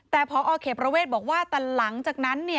แต่พอเขตประเวทบอกว่าแต่หลังจากนั้น